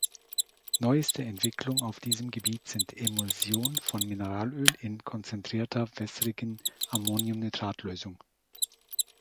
Neueste Entwicklung auf diesem Gebiet sind Emulsionen von Mineralöl in konzentrierter wässrigen Ammoniumnitrat-Lösung.